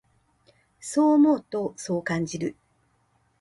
そう思うと、そう感じる。